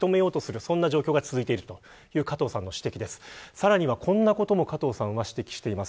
さらにはこんなことも加藤さんは指摘しています。